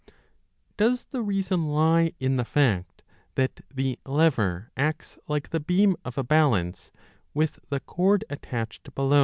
Does the reason lie in the fact that the lever acts like the beam of a balance with the cord attached below and \ 850*27.